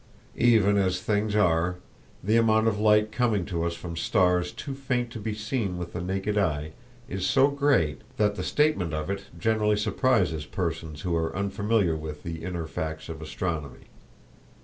Even as things are, the amount of light coming to us from stars too faint to be seen with the naked eye is so great that the statement of it generally surprises persons who are unfamiliar with the inner facts of astronomy.